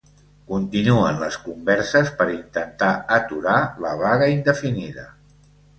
Continuen les converses per intentar aturar la vaga indefinida.